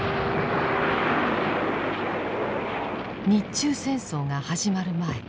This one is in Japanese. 日中戦争が始まる前